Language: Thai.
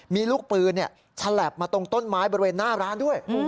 มีลูกปืนฉลับมาตรงต้นไม้บริเวณหน้าร้านด้วย